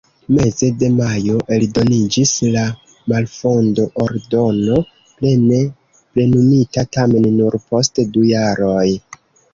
Meze de majo eldoniĝis la malfondo-ordono, plene plenumita tamen nur post du jaroj.